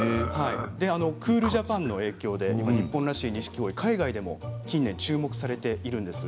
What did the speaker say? クールジャパンの影響で日本らしいニシキゴイ、海外でも近年注目されているんです。